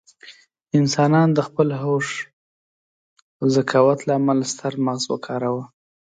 انسانان د خپل هوښ او ذکاوت له امله ستر مغز وکاروه.